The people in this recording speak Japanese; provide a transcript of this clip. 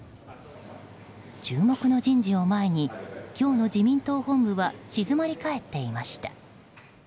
注目の人事を前に今日の自民党本部は静まり返っていました。